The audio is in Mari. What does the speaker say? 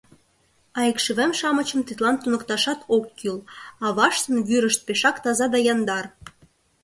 А икшывем-шамычым тидлан туныкташат ок кӱл: аваштын вӱрышт пешак таза да яндар.